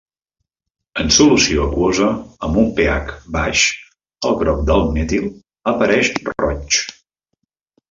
En solució aquosa amb un pH baix, el groc del metil apareix roig.